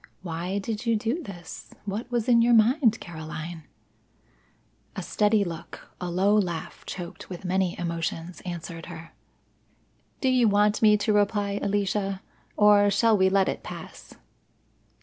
Why did you do this? What was in your mind, Caroline?" A steady look, a low laugh choked with many emotions answered her. "Do you want me to reply, Alicia? Or shall we let it pass?"